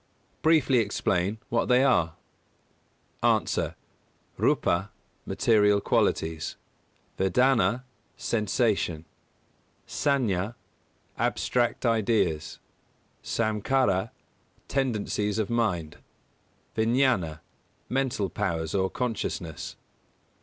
Briefly explain what they are? A. __Rūpa_, material qualities; Vedanā, sensation; Saññā, abstract ideas; Samkhārā, tendencies of mind; Viññāna, mental powers, or consciousness.